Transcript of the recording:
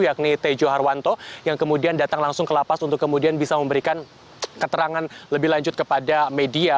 yakni tejo harwanto yang kemudian datang langsung ke lapas untuk kemudian bisa memberikan keterangan lebih lanjut kepada media